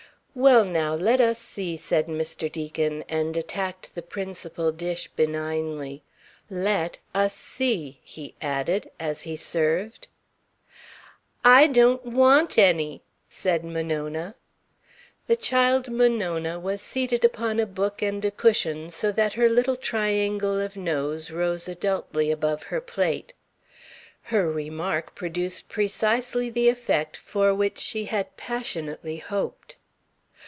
"Well, now, let us see," said Mr. Deacon, and attacked the principal dish benignly. "Let us see," he added, as he served. "I don't want any," said Monona. The child Monona was seated upon a book and a cushion, so that her little triangle of nose rose adultly above her plate. Her remark produced precisely the effect for which she had passionately hoped.